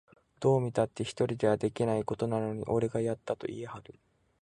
どう見たって一人ではできないことなのに、俺がやったと言いはる